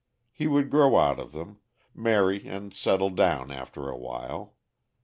He would grow out of them marry and settle down after awhile.